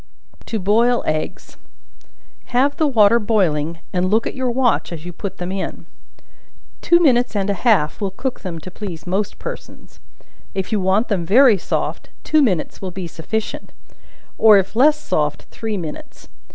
To Boil Eggs. Have the water boiling, and look at your watch as you put them in; two minutes and a half will cook them to please most persons; if you want them very soft, two minutes will be sufficient, or if less soft three minutes.